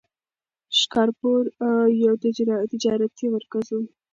شکارپور یو تجارتي مرکز و.